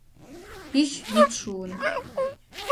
Пич йӱд шуын.